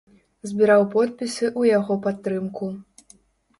Збіраў подпісы ў яго падтрымку.